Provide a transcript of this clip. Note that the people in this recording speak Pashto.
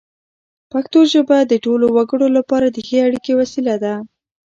پښتو ژبه د ټولو وګړو لپاره د ښې اړیکې وسیله ده.